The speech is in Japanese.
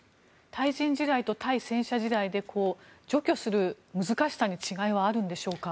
対人地雷と対戦車地雷で除去する難しさに違いはあるんでしょうか？